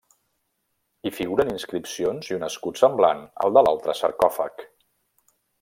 Hi figuren inscripcions i un escut semblant al de l'altre sarcòfag.